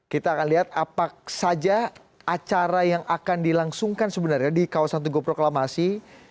kita akan lihat apa saja acara yang akan dilangsungkan sebenarnya di kawasan tugu proklamasi